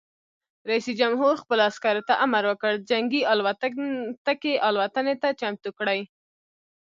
رئیس جمهور خپلو عسکرو ته امر وکړ؛ جنګي الوتکې الوتنې ته چمتو کړئ!